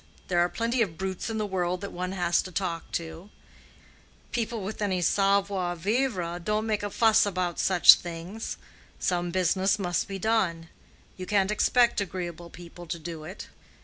There are plenty of brutes in the world that one has to talk to. People with any savoir vivre don't make a fuss about such things. Some business must be done. You can't expect agreeable people to do it.